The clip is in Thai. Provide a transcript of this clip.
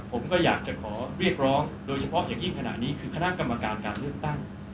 ผมก็อยากจะขอเรียกร้องโดยเฉพาะอย่างยิ่งขณะนี้คือคณะกรรมการการเลือกตั้ง